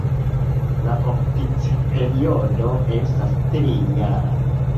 La oficperiodo estas tri-jara.